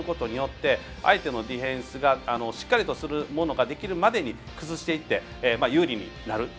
速い攻撃をすることによって相手のディフェンスがしっかりとするものができるまでに崩していって有利になると。